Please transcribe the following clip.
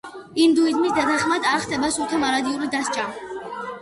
ინდუიზმის თანახმად არ ხდება სულთა მარადიული დასჯა.